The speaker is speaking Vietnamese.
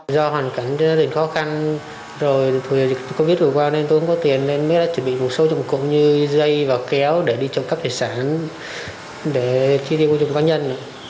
do hoàn cảnh tình khó khăn rồi covid vừa qua nên tôi không có tiền nên mới đã chuẩn bị một số dùng cụm như dây và kéo để đi trộm cắp tài sản để chi tiêu của dùng cá nhân